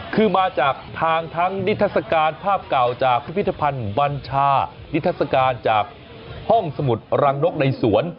คือมาจากทางทั้งนิทัศกาลภาพเก่าจากพิพิธภัณฑ์บัญชานิทัศกาลจากห้องสมุดรังนกในสวน